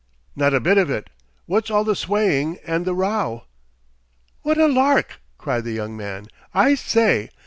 "Not a bit of it! What's all the swaying and the row?" "What a lark!" cried the young man. "I say!